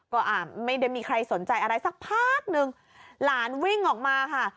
ก็ไม่ได้มีใครสนใจอะไรสักพักนึงหลานวิ่งออกมาค่ะ